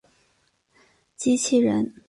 机器人。